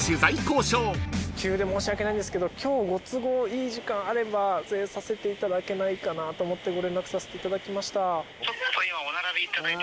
急で申し訳ないんですけど今日ご都合いい時間あれば撮影させていただけないかなと思ってご連絡させていただきました。